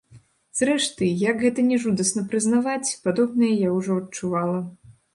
Зрэшты, як гэта ні жудасна прызнаваць, падобнае я ўжо адчувала.